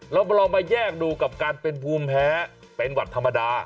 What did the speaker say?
เราลองมาแยกดูกับการเป็นภูมิแพ้เป็นหวัดธรรมดา